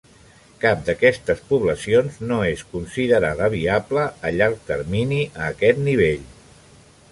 Cap d'aquestes poblacions no és considerada viable a llarg termini a aquest nivell.